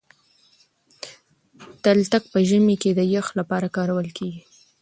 تلتک په ژمي کي د يخ لپاره کارول کېږي.